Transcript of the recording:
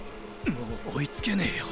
もう追いつけねェよ。